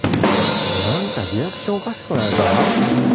何かリアクションおかしくないか？